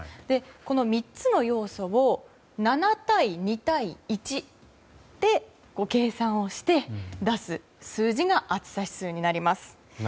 この３つの要素を７対２対１で計算して出す数字が暑さ指数になります。